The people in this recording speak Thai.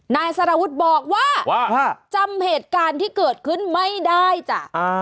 นายสารวุฒิบอกว่าจำเหตุการณ์ที่เกิดขึ้นไม่ได้จ้ะ